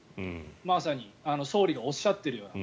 まさに、総理がおっしゃっているように。